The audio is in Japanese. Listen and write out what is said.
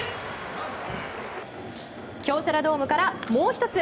京セラドームからもう１つ。